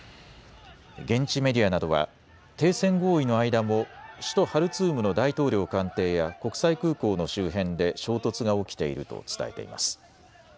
現地メディアなどは停戦合意の間も首都ハルツームの大統領官邸や国際空港の周辺で衝突が起きていると伝えています。